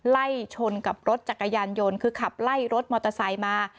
ไล่ชนกับรถจักรยานยนต์คือขับไล่รถมอเตอร์ไซค์มา